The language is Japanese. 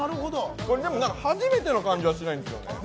でも、初めての感じはしないんですよね。